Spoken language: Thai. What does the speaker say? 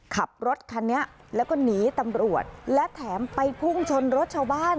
ขับรถคันนี้แล้วก็หนีตำรวจและแถมไปพุ่งชนรถชาวบ้าน